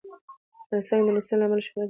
افغانستان د نورستان له امله شهرت لري.